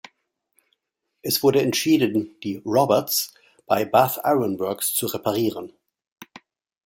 Es wurde entschieden, die "Roberts" bei Bath Iron Works zu reparieren.